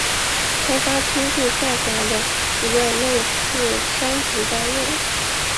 开发区是下辖的一个类似乡级单位。